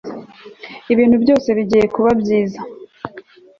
ibintu byose bigiye kuba byiza